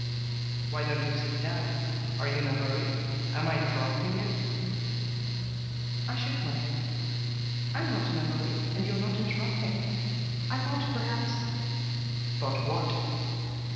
"Why don't you sit down? Are you in a hurry? Am I interrupting you?" I shook my head. "I am not in a hurry, and you are not interrupting. I thought perhaps " "Thought what?"